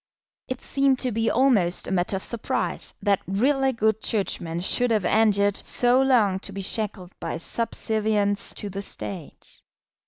It seemed to be almost a matter of surprise that really good Churchmen should have endured so long to be shackled by subservience to the State.